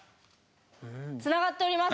つながっております